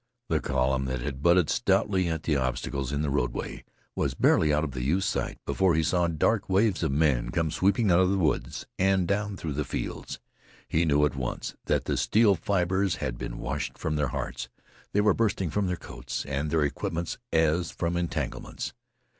The column that had butted stoutly at the obstacles in the roadway was barely out of the youth's sight before he saw dark waves of men come sweeping out of the woods and down through the fields. He knew at once that the steel fibers had been washed from their hearts. They were bursting from their coats and their equipments as from entanglements.